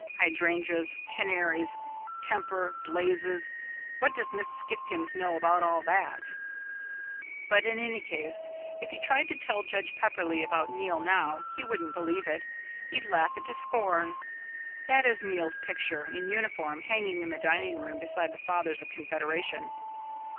Hydrangeas, canaries, temper, blazes! What does Miss Spiffkins know about it all? But in any case, if you tried to tell Judge Pepperleigh about Neil now he wouldn't believe it. He'd laugh it to scorn. That is Neil's picture, in uniform, hanging in the dining room beside the Fathers of Confederation.